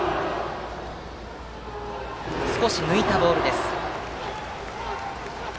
少し抜いたボールです。